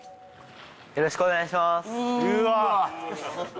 ・よろしくお願いします・うわ！